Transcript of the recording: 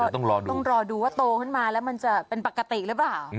ต้องรอดูต้องรอดูว่าโตขึ้นมาแล้วมันจะเป็นปกติหรือเปล่า